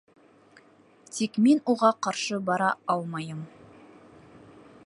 Тик мин уға ҡаршы бара алмайым.